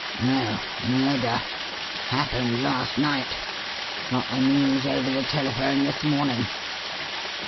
"No murder. Happened last night. Got the news over the telephone this morning.